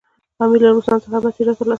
امیر له روسانو څخه هم نتیجه ترلاسه کړه.